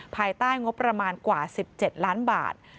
ภายใต้งบประมาณกว่า๑๗ล้านบาท